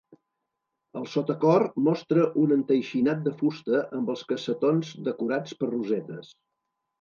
El sotacor mostra un enteixinat de fusta amb els cassetons decorats per rosetes.